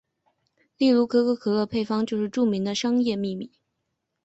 例如可口可乐的配方就是著名的商业秘密。